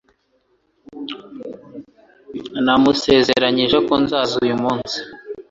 Namusezeranije ko nzaza uyu munsi.